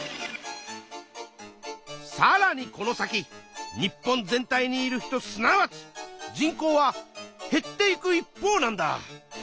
さらにこの先日本全体にいる人すなわち人口は減っていく一方なんだ。